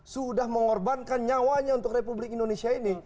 sudah mengorbankan nyawanya untuk republik indonesia ini